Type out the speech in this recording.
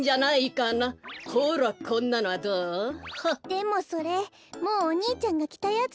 でもそれもうお兄ちゃんがきたやつでしょ？